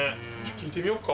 聞いてみよっか。